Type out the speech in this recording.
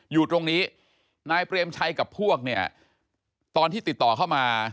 อยู่ตรงนี้นายเปรมชัยกับพวกเนี่ยตอนที่ติดต่อเข้ามา